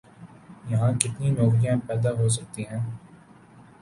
یہاں کتنی نوکریاں پیدا ہو سکتی ہیں؟